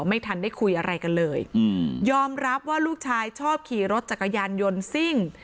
ไม่ทันได้คุยอะไรกันเลยอืมยอมรับว่าลูกชายชอบขี่รถจักรยานยนต์ซิ่ง